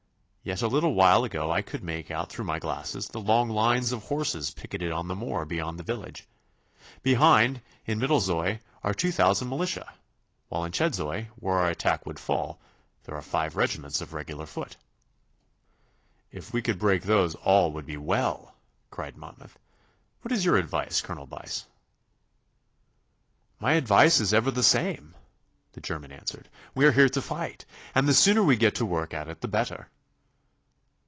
Yet a little while ago I could make out through my glasses the long lines of horses picketed on the moor beyond the village. Behind, in Middlezoy, are two thousand militia, while in Chedzoy, where our attack would fall, there are five regiments of regular foot.' 'If we could break those all would be well,' cried Monmouth. 'What is your advice, Colonel Buyse?' 'My advice is ever the same,' the German answered. 'We are here to fight, and the sooner we get to work at it the better.